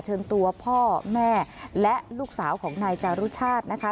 เชิญตัวพ่อแม่และลูกสาวของนายจารุชาตินะคะ